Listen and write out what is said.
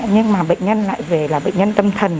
nhưng mà bệnh nhân lại về là bệnh nhân tâm thần